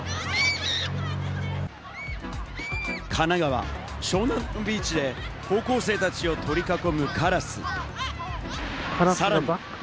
神奈川・湘南ビーチで高校生たちを取り囲むカラス。